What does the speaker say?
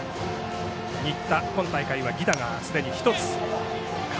新田、今大会は犠打がすでに１つ。